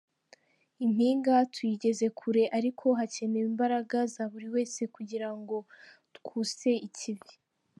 Impinga tuyigeze kure, ariko hakenewe imbaraga za buri wese kugira ngo twuse ikivi.